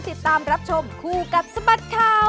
ติดตามรับชมคู่กับสบัดข่าว